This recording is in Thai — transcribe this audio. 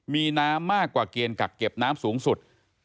มีน้ำมากกว่าเกณฑ์กักเก็บน้ำสูงสุด